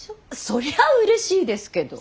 そりゃうれしいですけど。